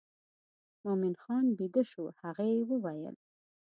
مومن خان بېده شو هغې وویل.